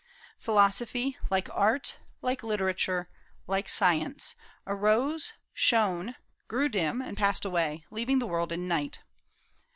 Philosophy, like art, like literature, like science, arose, shone, grew dim, and passed away, leaving the world in night.